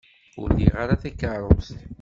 Ur liɣ ara takeṛṛust.